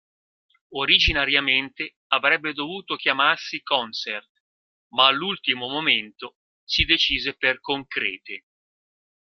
Originariamente avrebbe dovuto chiamarsi "Concert", ma all'ultimo momento si decise per "Concrete".